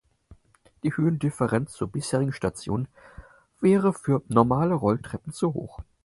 Die Höhendifferenz zur bisherigen Station wäre für normale Rolltreppen zu hoch.